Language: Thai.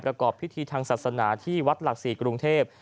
ประกอบพิธีทางศาสนาที่วัดหลัก๔กรุงเทพ